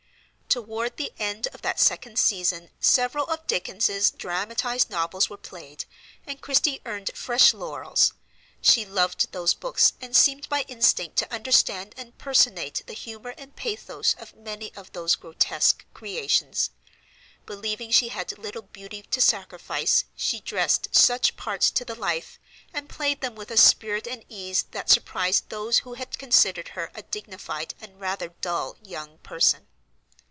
Toward the end of that second season several of Dickens's dramatized novels were played, and Christie earned fresh laurels. She loved those books, and seemed by instinct to understand and personate the humor and pathos of many of those grotesque creations. Believing she had little beauty to sacrifice, she dressed such parts to the life, and played them with a spirit and ease that surprised those who had considered her a dignified and rather dull young person.